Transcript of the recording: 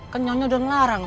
kan nyonya udah ngelarang